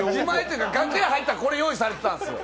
楽屋入ったらこれ、用意されてたんですよ。